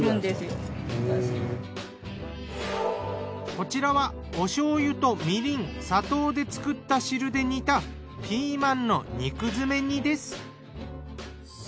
こちらはお醤油とみりん砂糖で作った汁で煮たピーマンの肉詰め煮です。